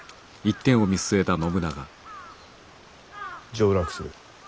上洛する。